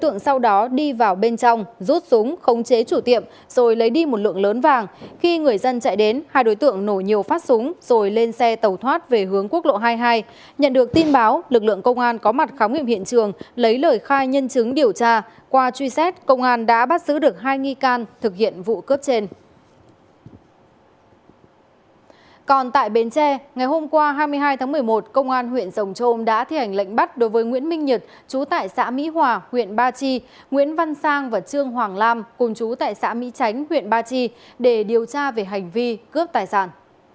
ngày hôm qua hai mươi hai tháng một mươi một công an huyện rồng trôm đã thi hành lệnh bắt đối với nguyễn minh nhật chú tại xã mỹ hòa huyện ba chi nguyễn văn sang và trương hoàng lam cùng chú tại xã mỹ chánh huyện ba chi để điều tra về hành vi cướp tài sản